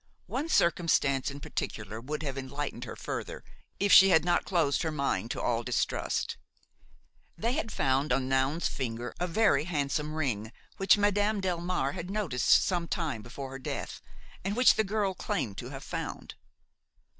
One circumstance in particular would have enlightened her further, if she had not closed her mind to all distrust. They had found on Noun's finger a very handsome ring which Madame Delmare had noticed some time before her death and which the girl claimed to have found.